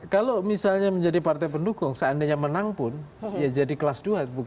kalau misalnya menjadi partai pendukung seandainya menang pun ya jadi kelas dua